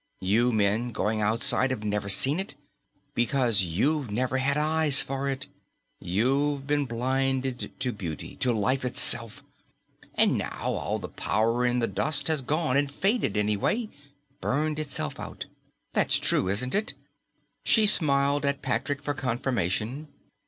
"You men going outside have never seen it, because you've never had eyes for it. You've been blinded to beauty, to life itself. And now all the power in the dust has gone and faded, anyway, burned itself out. That's true, isn't it?" She smiled at Patrick for confirmation.